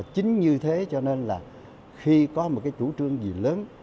chính như thế cho nên là khi có một cái chủ trương gì lớn